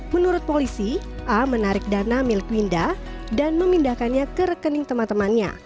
menurut polisi a menarik dana milik winda dan memindahkannya ke rekening teman temannya